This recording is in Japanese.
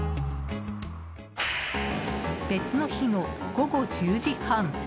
別の日の午後１０時半。